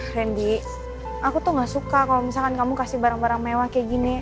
randy aku tuh gak suka kalau misalkan kamu kasih barang barang mewah kayak gini